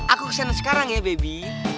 aku kesana sekarang ya bebi